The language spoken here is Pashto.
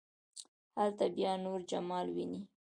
هلته بیا نور جمال ويني.